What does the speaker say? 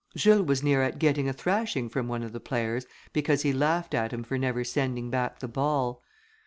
Jules was near getting a thrashing from one of the players, because he laughed at him for never sending back the ball."